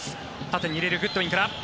縦に入れるグッドウィンから。